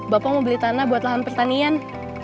bapak mau beli tanah buat lahan pertanian